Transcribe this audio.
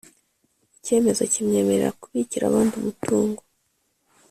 icyemezo kimwerera kubikira abandi umutungo